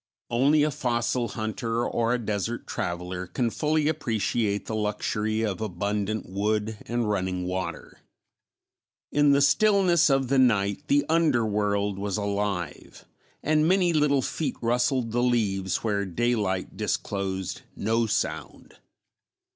Only a fossil hunter or a desert traveler can fully appreciate the luxury of abundant wood and running water. In the stillness of the night the underworld was alive and many little feet rustled the leaves where daylight disclosed no sound.